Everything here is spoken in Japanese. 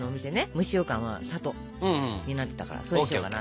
蒸しようかんは「里」になってたからそうしようかなと。